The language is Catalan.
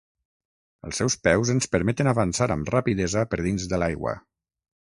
Els seus peus ens permeten avançar amb rapidesa per dins de l'aigua.